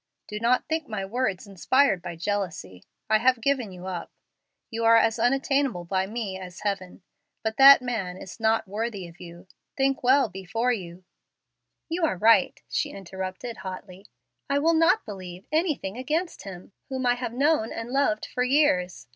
Do not think my words inspired by jealousy. I have given you up. You are as unattainable by me as heaven. But that man is not worthy of you. Think well before you " "You are right," she interrupted, hotly. "I will not believe anything against him whom I have known and loved for years.